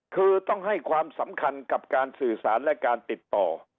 คือต้องให้ความสำคัญกับการสื่อสารและการติดต่อ